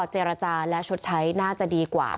เจรจาและชดใช้น่าจะดีกว่า